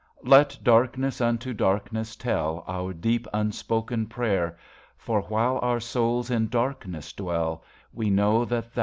Let darkness unto darkness tell Our deep unspoken prayer ; For, while our souls in darkness dwell, We know that Thou art there.